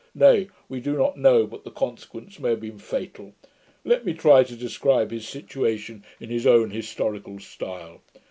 Nay, we do not know but the consequence may have been fatal. Let me try to describe his situation in his own historical style.